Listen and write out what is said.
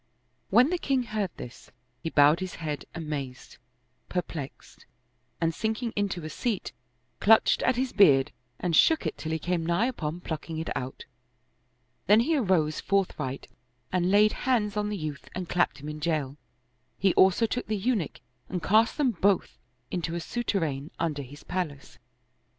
When the king heard this, he bowed his head amazed, perplexed, and sinking into a seat, clutched at his beard and shook it till he came nigh upon plucking it out. Then he arose forth right and laid hands on the youth and clapped him in jail; he also took the Eunuch and cast them both into a souter | ain under his palace.